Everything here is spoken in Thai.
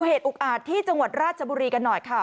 เหตุอุกอาจที่จังหวัดราชบุรีกันหน่อยค่ะ